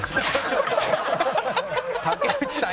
「竹内さん